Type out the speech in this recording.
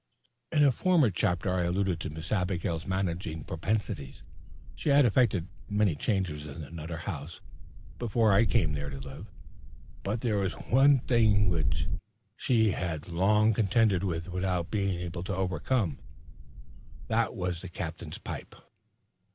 In a former chapter I alluded to Miss Abigail's managing propensities. She had affected many changes in the Nutter House before I came there to live; but there was one thing against which she had long contended without being able to overcome. This was the Captain's pipe.